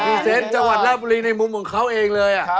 รีเซนต์จังหวัดลาบุรีในมุมของเขาเองเลย